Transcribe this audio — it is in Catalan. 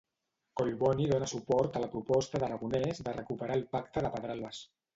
Collboni dona suport a la proposta d'Aragonès de recuperar el Pacte de Pedralbes.